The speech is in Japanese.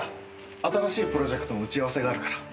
新しいプロジェクトの打ち合わせがあるから。